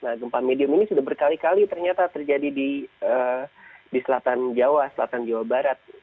nah gempa medium ini sudah berkali kali ternyata terjadi di selatan jawa selatan jawa barat